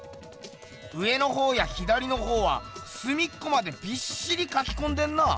上のほうや左のほうはすみっこまでびっしりかきこんでんな。